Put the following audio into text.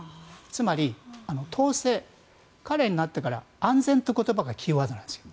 つまり、統制彼になってから安全という言葉がキーワードなんですよ。